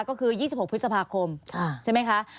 ก็คือ๒๖พฤษภาคมใช่ไหมคะ